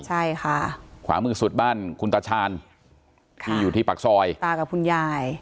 ใช่ค่ะขวามือสุดบ้านคุณตาชาญที่อยู่ที่ปากซอยตากับคุณยาย